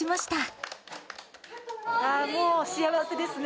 もう幸せですね。